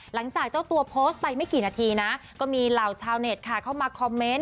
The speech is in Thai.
หลังจากเจ้าตัวโพสต์ไปไม่กี่นาทีนะก็มีเหล่าชาวเน็ตค่ะเข้ามาคอมเมนต์